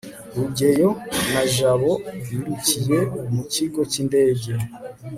rugeyo na jabo birukiye mu kigo cy'indege